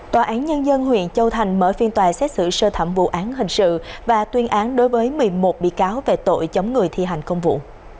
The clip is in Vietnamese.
tòa án nhân dân huyện châu thành mở phiên tòa xét xử sơ thẩm vụ án hình sự và tuyên án đối với một mươi một bị cáo về tội chống người thi hành công vụ